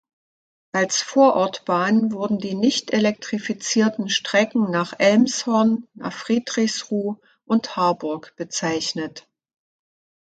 Als Vorortbahn wurden die nicht elektrifizierten Strecken nach Elmshorn, nach Friedrichsruh und Harburg bezeichnet.